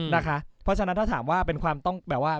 เพราะฉะนั้นถ้าถามว่า